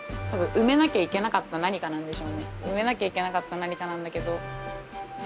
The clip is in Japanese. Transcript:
埋めなきゃいけなかった何かなんだけど。